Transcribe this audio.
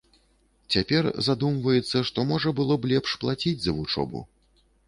Цяпер задумваецца, што можа было б лепш плаціць за вучобу.